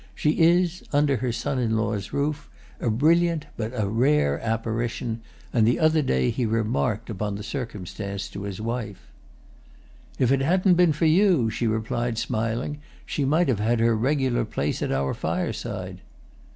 She is, under her son in law's roof, a brilliant but a rare apparition, and the other day he remarked upon the circumstance to his wife. "If it hadn't been for you," she replied, smiling, "she might have had her regular place at our fireside."